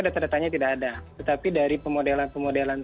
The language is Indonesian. data datanya tidak ada tetapi dari pemodelan pemodelan